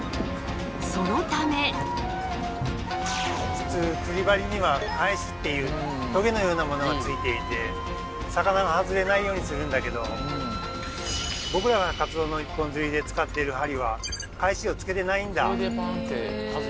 普通釣り針には「かえし」っていうトゲのようなものがついていて魚が外れないようにするんだけど僕らがカツオの一本釣りで使っている針はかえしをつけてないんだ。